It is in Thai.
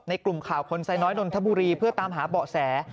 กลุ่มข่าวคนไซน้อยนนทบุรีเพื่อตามหาเบาะแส